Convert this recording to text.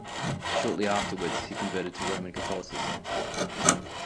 Shortly afterwards, he converted to Roman Catholicism.